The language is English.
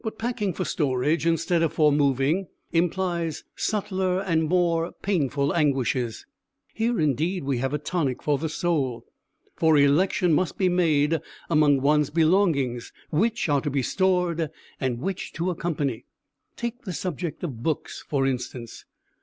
But packing for storage instead of for moving implies subtler and more painful anguishes. Here indeed we have a tonic for the soul, for election must be made among one's belongings: which are to be stored, and which to accompany? Take the subject of books for instance.